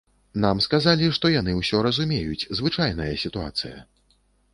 Нам сказалі, што яны ўсё разумеюць, звычайная сітуацыя.